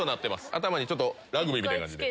頭にラグビーみたいな感じで。